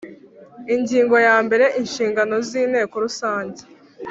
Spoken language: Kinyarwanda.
Ingingo yambere Inshingano z Inteko Rusange